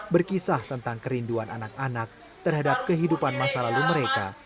berkisah tentang kerinduan anak anak terhadap kehidupan masa lalu mereka